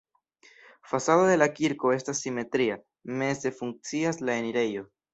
Fasado de la kirko estas simetria, meze funkcias la enirejo.